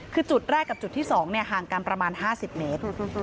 คือจุดแรกกับจุดที่๒ห่างกันประมาณ๕๐เมตร